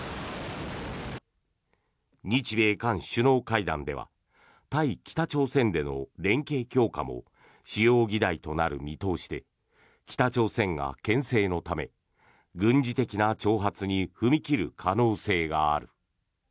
日米韓首脳会談では対北朝鮮での連携強化も主要議題となる見通しで北朝鮮がけん制のため軍事的な挑発に踏み切る可能性がある。